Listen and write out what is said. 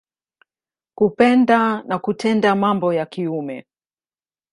Kupenda na kutenda mambo ya kiume.